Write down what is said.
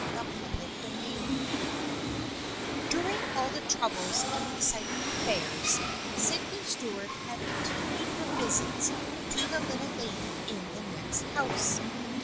CHAPTER XIX DURING all these troubles and exciting affairs, Sydney Stuart had continued her visits to the little lady in the next house.